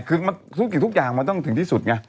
คือทุกอย่างมันต้องถึงที่สุดไง